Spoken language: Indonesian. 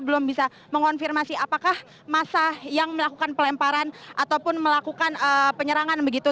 belum bisa mengonfirmasi apakah masa yang melakukan pelemparan ataupun melakukan penyerangan begitu